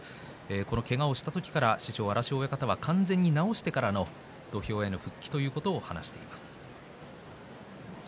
このけがをした時から師匠荒汐親方は完全に治してからの土俵への復帰ということを話していました。